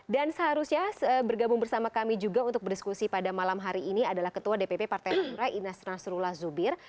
dan seharusnya bergabung bersama kami juga untuk berdiskusi pada malam hari ini adalah ketua dpp partai umrah inas nasrullah zubir